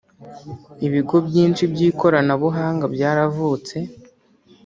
Ibigo byinshi by’ikoranabuhanga byaravutse